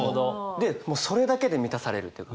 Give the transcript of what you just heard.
でそれだけで満たされるというか。